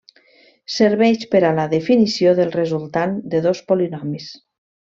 Serveix per a la definició del resultant de dos polinomis.